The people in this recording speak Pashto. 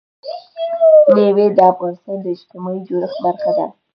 مېوې د افغانستان د اجتماعي جوړښت برخه ده.